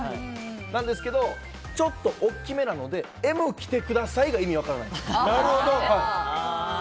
なんですけどちょっと大きめなのでＭを着てください、が意味分からないんです。